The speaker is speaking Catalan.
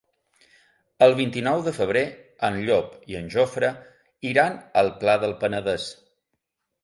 El vint-i-nou de febrer en Llop i en Jofre iran al Pla del Penedès.